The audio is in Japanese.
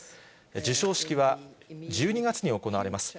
授賞式は１２月に行われます。